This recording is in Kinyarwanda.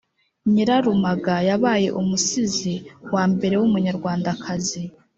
Nyirarumaga yabaye umusizi wa mbere w’ Umunyarwandakazi.